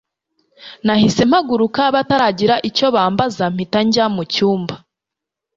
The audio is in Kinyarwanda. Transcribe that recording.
Nahise mpaguruka bataragira icyo bambaza mpita njya mucyumba